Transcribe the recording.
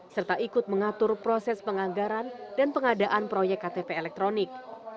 serta ikut mengatur proses penganggaran dan pengadaan proyek ktp elektronik